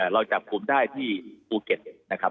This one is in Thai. เราจับกลุ่มได้ที่ภูเก็ตนะครับ